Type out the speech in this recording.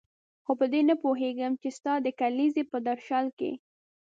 خو په دې نه پوهېږم چې ستا د کلیزې په درشل کې.